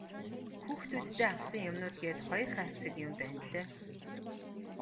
Хүүхдүүддээ авсан юмнууд гээд хоёр хайрцаг юм байнлээ.